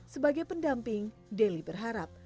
sebagai pendamping deli berharap